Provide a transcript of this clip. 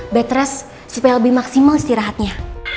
bed rest supaya lebih maksimal istirahatnya